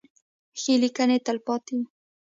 ښې لیکنې تلپاتې وي.